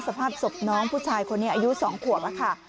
สภาพศพน้องผู้ชายคนนี้อายุ๒ขวบแล้วค่ะ